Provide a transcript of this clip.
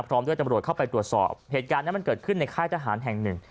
พร้อมด้วยตำรวจเข้าไปตรวจสอบเหตุการณ์นั้นมันเกิดขึ้นในค่ายทหารแห่งหนึ่ง